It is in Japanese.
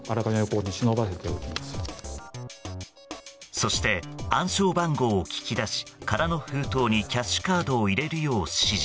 そして暗証番号を聞き出し空の封筒にキャッシュカードを入れるよう指示。